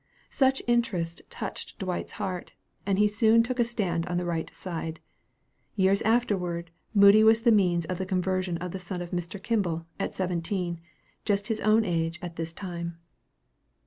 Such interest touched Dwight's heart, and he soon took a stand on the right side. Years afterward, Moody was the means of the conversion of the son of Mr. Kimball, at seventeen, just his own age at this time.